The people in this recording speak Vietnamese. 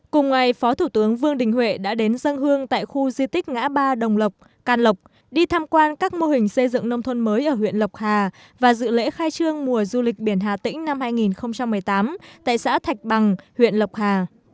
cùng ngày phó thủ tướng vương đình huệ đã đến dân hương tại khu di tích ngã ba đồng lộc can lộc đi tham quan các mô hình xây dựng nông thôn mới ở huyện lộc hà và dự lễ khai trương mùa du lịch biển hà tĩnh năm hai nghìn một mươi tám tại xã thạch bằng huyện lộc hà